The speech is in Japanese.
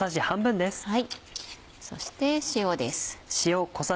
そして塩です。